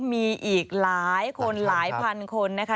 มีอีกหลายคนหลายพันคนนะคะ